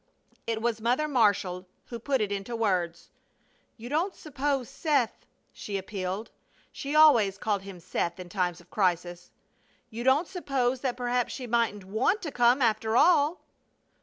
It was Mother Marshall who put it into words: "You don't suppose, Seth," she appealed she always called him Seth in times of crisis "you don't suppose that perhaps she mightn't want to come, after all!"